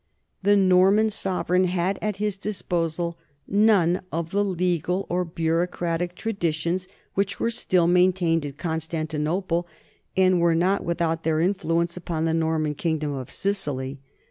The Norman sovereign had at his disposal none of the legal or bureaucratic tradi tions which were still maintained at Constantinople and were not without their influence upon the Norman kingdom of Sicily.